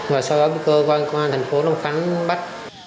rồi sau đó tôi qua công an thành phố long khánh bắt